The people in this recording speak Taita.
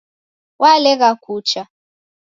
Walegha kucha